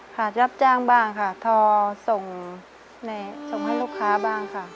รับจ้างบ้างค่ะทอส่งให้ลูกค้าบ้างค่ะ